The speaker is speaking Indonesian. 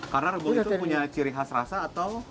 karena rebung itu punya ciri khas rasa atau